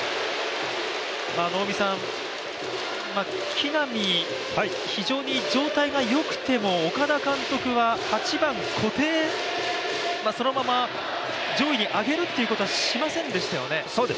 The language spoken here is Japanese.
木浪、非常に状態がよくても岡田監督は８番固定、そのまま上位に上げるっていうことはしませんでしたよね。